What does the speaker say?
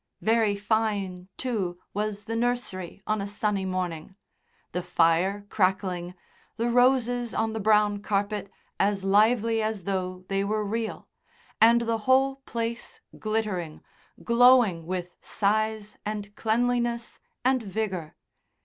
Very fine, too, was the nursery on a sunny morning the fire crackling, the roses on the brown carpet as lively as though they were real, and the whole place glittering, glowing with size and cleanliness and vigour.